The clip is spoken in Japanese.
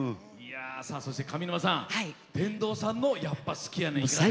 そして上沼さん、天童さんの「やっぱ好きやねん」ですが。